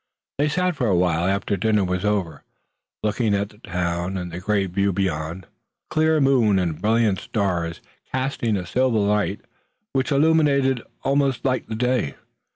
They sat a while after the dinner was over, looking down at the town and the great view beyond, a clear moon and brilliant stars casting a silver light which illuminated almost like the day.